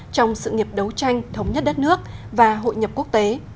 trong sự nghiệp đấu tranh thống nhất đất nước và hội nhập quốc tế